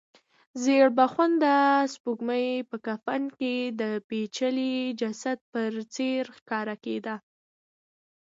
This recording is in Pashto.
زېړبخونده سپوږمۍ په کفن کې د پېچلي جسد په څېر ښکاریږي.